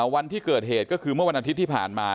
วันที่เกิดเหตุก็คือเมื่อวันอาทิตย์ที่ผ่านมา